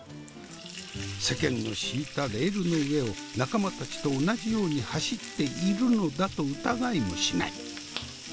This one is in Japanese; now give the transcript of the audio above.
世間の敷いたレールの上を仲間たちと同じように走っているのだと疑いもしない。